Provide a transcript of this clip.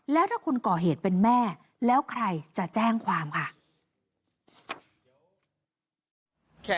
แล้วถ้าคุณก่อเหตุเป็นแม่แล้วใครจะแจ้งความค่ะ